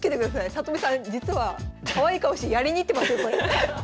里見さん実はかわいい顔してやりにいってますよこれ。